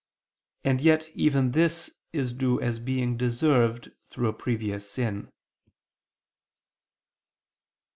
And yet even this is due as being deserved through a previous sin.